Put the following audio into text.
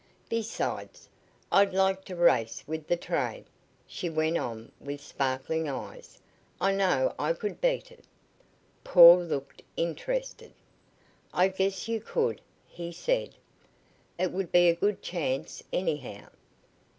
Besides, I'd like to race with the train," she went on with sparkling eyes. "I know I could beat it." Paul looked interested. "I guess you could," he said. "It would be a good chance, anyhow."